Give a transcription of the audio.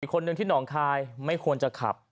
มคค่ามนหน่องคายไม่ควรจะขับ